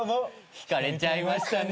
引かれちゃいましたね。